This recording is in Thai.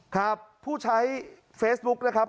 ครับผู้ใช้เฟซบุ๊คนะครับ